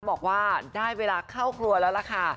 บอกว่าได้เวลาเข้าครัวแล้วล่ะค่ะ